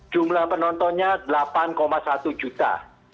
jumlah penontonnya delapan satu juta